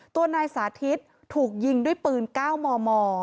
ตัวนายสาธิตถูกยิงด้วยปืน๙มม